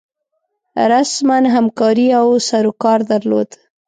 رسما همکاري او سروکار درلود.